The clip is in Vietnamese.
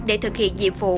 để thực hiện nhiệm vụ